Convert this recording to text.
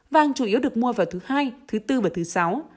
vàng chủ yếu được mua vào thứ hai thứ bốn và thứ sáu